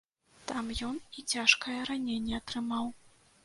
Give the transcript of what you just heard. Там ён і цяжкае раненне атрымаў.